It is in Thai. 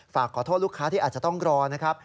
ฝากขอโทษลูกค้าที่อาจจะต้องรอนะครับ